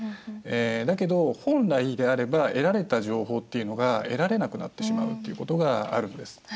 だけど本来であれば得られた情報っていうのが得られなくなってしまうっていうことがあるんです。